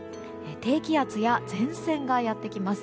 低気圧や前線がやってきます。